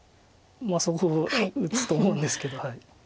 そこ打つと思うんですけど。